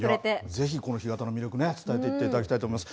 ぜひこの干潟の魅力、伝えていっていただきたいと思います。